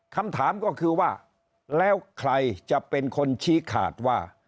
คำถามก็คือว่าแล้วใครจะเป็นคนชี้ขาดว่า